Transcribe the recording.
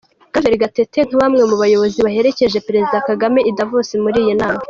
Claver Gatete; nka bamwe mu bayobozi baherekeje Perezida Kagame i Davos muri iyi nama.